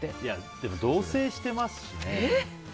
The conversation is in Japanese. でも同棲してますしね。